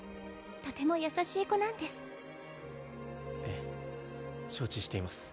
とても優しい子なんですええ承知しています